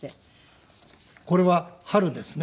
これは春ですね。